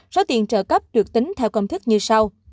số tiền trợ cấp được tính theo công thức như sau